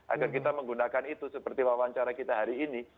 agar kita menggunakan itu seperti wawancara kita hari ini